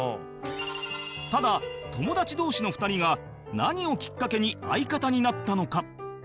ただ友達同士の２人が何をきっかけに相方になったのか？